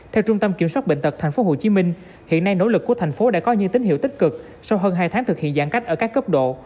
theo trung tâm kiểm soát bệnh tật thành phố hồ chí minh hiện nay nỗ lực của thành phố đã có như tín hiệu tích cực sau hơn hai tháng thực hiện giãn cách ở các cấp độ